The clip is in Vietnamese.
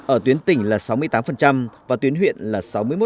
ở tuyến tỉnh là sáu mươi tám và tuyến huyện là sáu mươi một